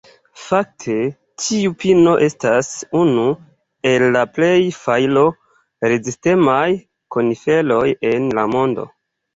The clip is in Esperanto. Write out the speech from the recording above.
Fakte, tiu pino estas unu el la plej fajro-rezistemaj koniferoj en la mondo.